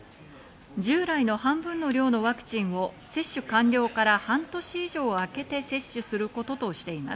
従来の半分の量のワクチンを接種完了から半年以上あけて接種することとしています。